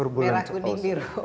merah kuning biru